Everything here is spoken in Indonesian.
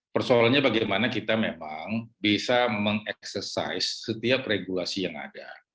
persoalannya bagaimana kita memang bisa mengeksersai setiap regulasi yang ada